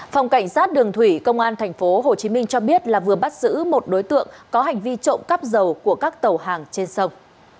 phòng cảnh sát đường thủy công an tp hcm cho biết là vừa bắt giữ một đối tượng có hành vi trộm cắp dầu của các tàu hàng trên sông